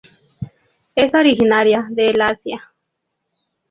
Es originaria del Asia.